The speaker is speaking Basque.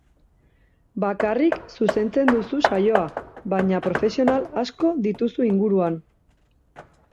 Bakarrik zuzentzen duzu saioa, baina profesional asko dituzu inguruan.